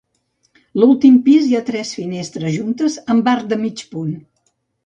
L'últim pis hi ha tres finestres juntes amb arc de mig punt.